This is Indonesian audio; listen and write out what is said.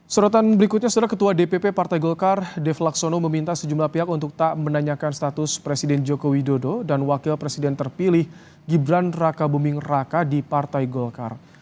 sorotan berikutnya setelah ketua dpp partai golkar dev laksono meminta sejumlah pihak untuk tak menanyakan status presiden joko widodo dan wakil presiden terpilih gibran raka buming raka di partai golkar